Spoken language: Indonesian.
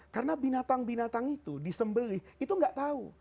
karena binatang binatang itu disembeli itu nggak tahu